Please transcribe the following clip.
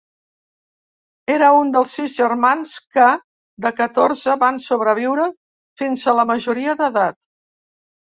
Era un dels sis germans que, de catorze, van sobreviure fins a la majoria d'edat.